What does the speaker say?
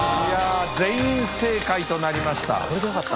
全員正解となりました。